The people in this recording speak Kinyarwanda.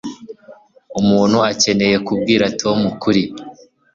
umuntu akeneye kubwira tom ukuri